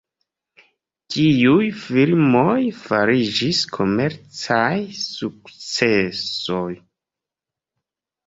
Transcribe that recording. Tiuj filmoj fariĝis komercaj sukcesoj.